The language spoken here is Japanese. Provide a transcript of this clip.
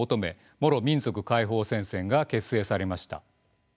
モロ民族解放戦線が結成されました。